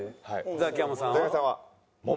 ザキヤマさんは桃。